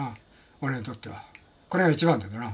俺にとってはこれが一番だからな。